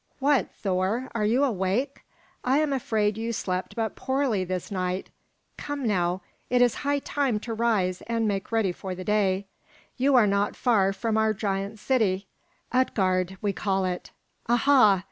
What, Thor! are you awake? I am afraid you slept but poorly this night. Come, now, it is high time to rise and make ready for the day. You are not far from our giant city, Utgard we call it. Aha!